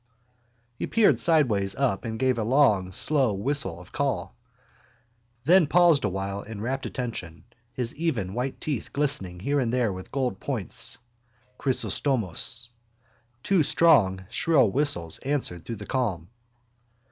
He peered sideways up and gave a long slow whistle of call, then paused awhile in rapt attention, his even white teeth glistening here and there with gold points. Chrysostomos. Two strong shrill whistles answered through the calm.